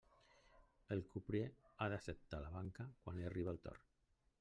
El crupier ha d'acceptar la banca quan li arribe el torn.